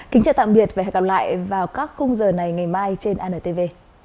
kính chào tạm biệt và hẹn gặp lại vào các khung giờ này ngày mai trên antv